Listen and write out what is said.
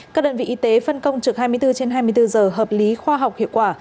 các đơn vị y tế phân công trực hai mươi bốn trên hai mươi bốn giờ hợp lý khoa học hiệu quả